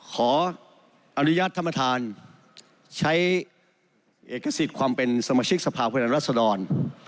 ขออนุญาตธรรมธานใช้เอกสิทธิ์ความเป็นสมาชิกสภาพพลังรัฐสดร